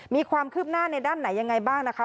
มีความคืบหน้าในด้านไหนยังไงบ้างนะคะ